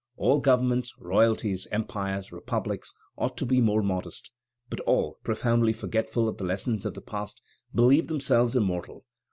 All governments, royalties, empires, republics, ought to be more modest. But all, profoundly forgetful of the lessons of the past, believe themselves immortal.